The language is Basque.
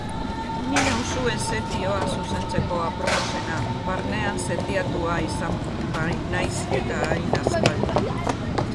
Ni nauzue setioa zuzentzeko aproposena, barnean setiatua izan bainaiz ez hain aspaldi.